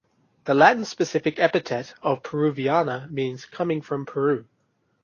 The Latin specific epithet of "peruviana" means "coming from Peru".